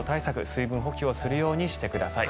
水分補給をするようにしてください。